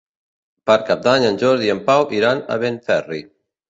Per Cap d'Any en Jordi i en Pau iran a Benferri.